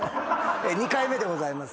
２回目でございます。